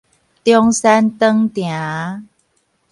中山堂埕